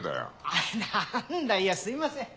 あなんだいやすみません。